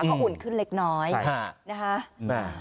ก็อุ่นขึ้นเล็กน้อยนะคะใช่ค่ะ